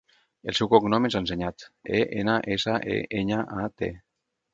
El seu cognom és Enseñat: e, ena, essa, e, enya, a, te.